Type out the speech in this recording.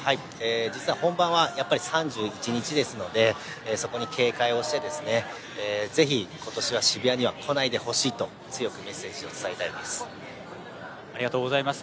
本番は３１日ですのでそこに警戒をして、ぜひ今年は渋谷には来ないでほしいと強くメッセージをありがとうございます。